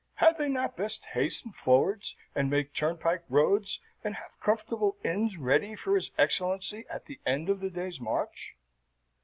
Had they not best hasten forwards and make turnpike roads and have comfortable inns ready for his Excellency at the end of the day's march?